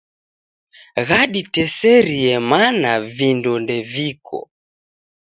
Ghaditeserie mana vindo ndeviko.